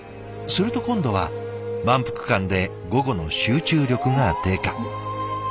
すると今度は満腹感で午後の集中力が低下。